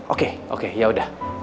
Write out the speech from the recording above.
oke oke yaudah